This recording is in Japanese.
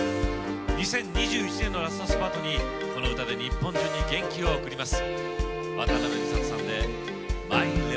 ２０２１年のラストスパートにこの歌で日本中に元気を送ります。